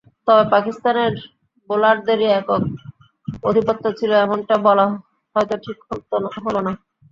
তবে পাকিস্তানের বোলারদেরই একক আধিপত্য ছিল এমনটা বলা হয়তো ঠিক হলো না।